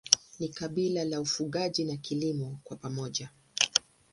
Ni kabila la ufugaji na kilimo kwa pamoja.